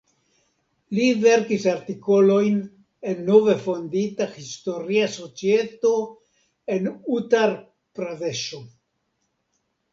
Li verkis artikolojn en nove fondita Historia Societo en Utar-Pradeŝo.